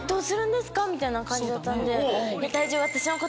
みたいな感じだったんで。